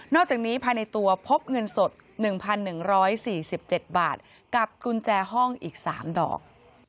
นอกจากนี้ภายในตัวพบเงินสดหนึ่งพันหนึ่งร้อยสี่สิบเจ็ดบาทกลับกุญแจห้องอีกสามดอก